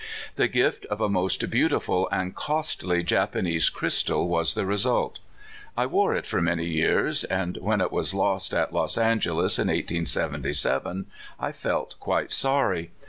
The gift of a most beautiful and costly Japanese crystal was the result. I wore it for many years, and when it was lost at Los Angeles, in 1877, I felt quite sorry.